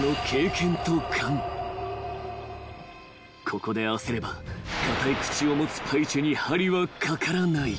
［ここで焦れば硬い口を持つパイチェに針は掛からない］